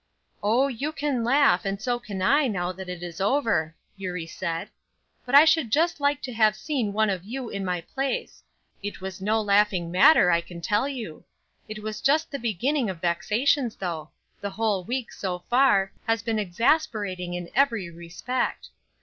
"Oh, you can laugh, and so can I, now that it is over," Eurie said. "But I should just like to have seen one of you in my place; it was no laughing matter, I can tell you. It was just the beginning of vexations, though; the whole week, so far, has been exasperating in every respect.